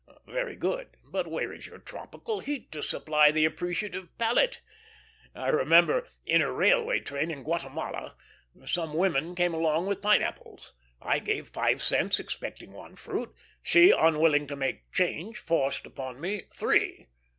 Very good; but where is your tropical heat to supply the appreciative palate? I remember, in a railway train in Guatemala, some women came along with pineapples. I gave five cents, expecting one fruit; she, unwilling to make change, forced upon me three.